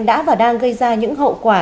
đã và đang gây ra những hậu quả